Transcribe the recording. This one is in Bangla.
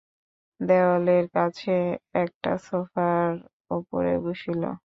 দেয়ালের কাছে একটা সোফার উপরে বসিল।